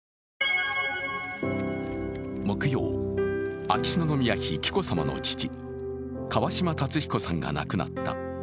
木曜、秋篠宮妃・紀子さまの父川嶋辰彦さんが亡くなった。